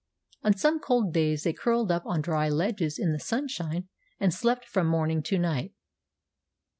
On some cold days they curled up on dry ledges in the sunshine and slept from morning to night.